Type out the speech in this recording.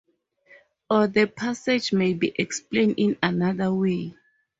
Or the passage may be explained in another way.